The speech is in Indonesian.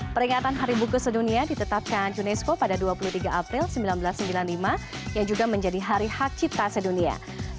peringatan hari buku sedunia ditetapkan unesco pada dua puluh tiga april seribu sembilan ratus sembilan puluh lima yang juga menjadi hari hak cipta sedunia